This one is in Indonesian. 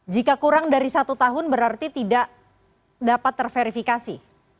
jika kurang dari satu tahun berarti tidak dapat terverifikasi